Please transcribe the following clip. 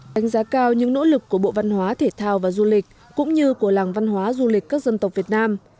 đánh giá cao những nỗ lực của bộ văn hóa thể thao và du lịch cũng như của làng văn hóa du lịch các dân tộc việt nam